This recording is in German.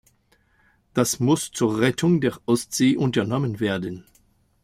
Das muss zur Rettung der Ostsee unternommen werden.